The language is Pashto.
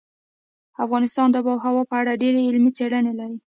افغانستان د آب وهوا په اړه ډېرې علمي څېړنې لري.